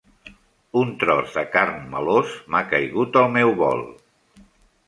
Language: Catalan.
Un tros de carn melós m'ha caigut al meu bol!